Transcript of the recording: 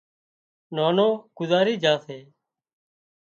نانوگذارِي جھا سي